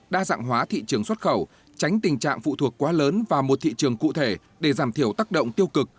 đa dạng hóa thị trường xuất khẩu tránh tình trạng phụ thuộc quá lớn vào một thị trường cụ thể để giảm thiểu tác động tiêu cực